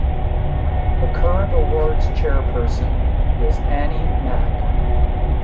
The current Awards Chairperson is Annie Mac.